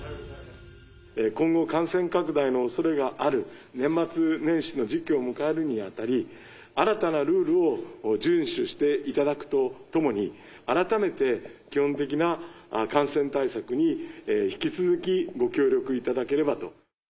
今後、感染拡大のおそれがある年末年始の時期を迎えるにあたり、新たなルールを順守していただくとともに、改めて基本的な感染対策に引き続きご協力いただければと。